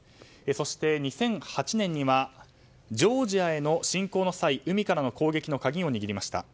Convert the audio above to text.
そして２００８年にはジョージアへの侵攻の際海からの攻撃の鍵を握りました。